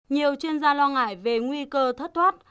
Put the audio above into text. nhiều chuyên gia lo ngại về nguy cơ thất thoát